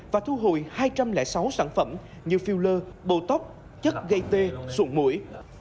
và thu hồi hai trăm linh sáu sản phẩm như filler bầu tóc chất gây tê suộn mũi